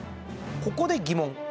ここで疑問。